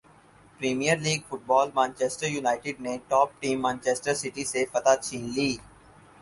premier league football Manchester United نے top team Manchester City سے فتح چھین لی